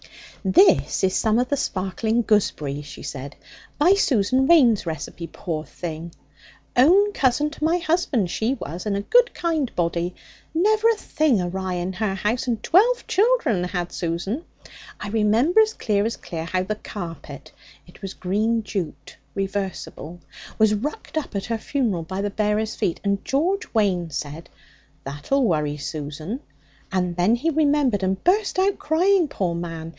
'This is some of the sparkling gooseberry,' she said, 'by Susan Waine's recipe, poor thing! Own cousin to my husband she was, and a good kind body. Never a thing awry in her house, and twelve children had Susan. I remember as clear as clear how the carpet (it was green jute, reversible) was rucked up at her funeral by the bearers' feet. And George Waine said, "That'll worry Susan," and then he remembered, and burst out crying, poor man!